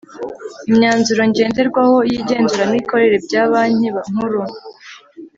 imyanzuro ngenderwaho y igenzuramikorere bya banki nkuru